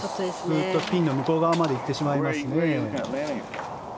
スーッとピンの向こう側まで行ってしまいますね。